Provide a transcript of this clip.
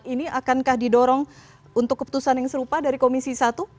ini akankah didorong untuk keputusan yang serupa dari komisi satu